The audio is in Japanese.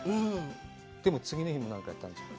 でも、次の日も何かやったんでしょう？